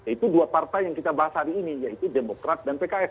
itu dua partai yang kita bahas hari ini yaitu demokrat dan pks